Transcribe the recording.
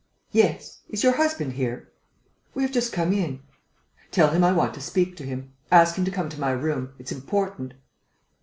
"Yes. Is your husband here?" "We have just come in." "Tell him I want to speak to him. Ask him to come to my room. It's important."